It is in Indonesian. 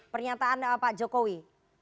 pernyataan pak jokowi